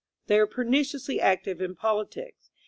They were perniciously active in politics.